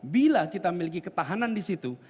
bila kita memiliki ketahanan di situ